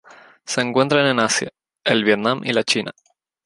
Se encuentran en Asia: el Vietnam y la China.